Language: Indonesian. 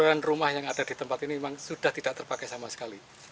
keberadaan rumah yang ada di tempat ini memang sudah tidak terpakai sama sekali